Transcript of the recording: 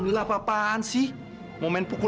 lera gak mau kue